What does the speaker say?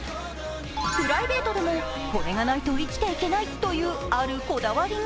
プライベートでもこれがないと生きていけないというあるこだわりが。